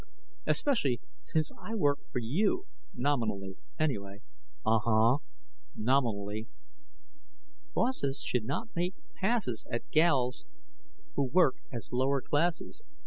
"Especially since I work for you, nominally anyway " "Uh huh, nominally." "Bosses should not make passes At gals who work as lower classes."